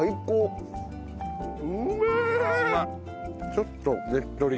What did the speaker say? ちょっとねっとり感が。